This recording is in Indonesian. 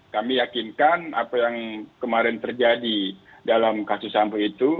kami yakinkan apa yang kemarin terjadi dalam kasus sampo itu